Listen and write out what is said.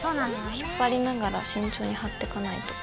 引っ張りながら慎重に貼ってかないと。